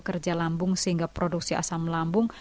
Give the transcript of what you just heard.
kerja lambung sehingga produksi asam melambung